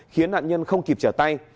khiến nạn nhân không kịp trở tay